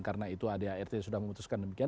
karena itu adart sudah memutuskan demikian